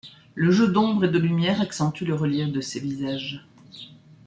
Le jeu d’ombre et de lumière accentue le relief de ces visages.